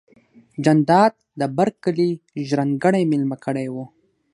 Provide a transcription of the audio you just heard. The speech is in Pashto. جانداد د بر کلي ژرندګړی ميلمه کړی و.